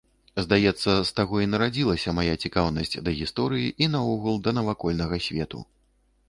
Здаецца, з таго і нарадзілася мая цікаўнасць да гісторыі і наогул да навакольнага свету.